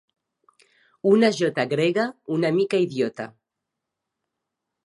Una jota grega una mica idiota.